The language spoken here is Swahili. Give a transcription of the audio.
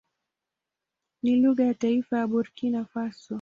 Ni lugha ya taifa ya Burkina Faso.